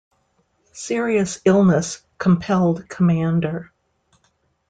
Serious illness compelled Comdr.